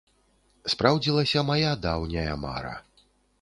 Спраўдзілася мая даўняя мара.